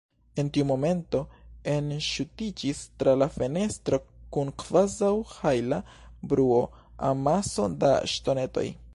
En tiu momento, enŝutiĝis tra la fenestro, kun kvazaŭ-hajla bruo, amaso da ŝtonetoj.